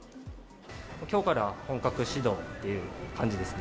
きょうから本格始動っていう感じですね。